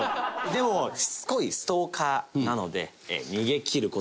でもしつこいストーカーなので。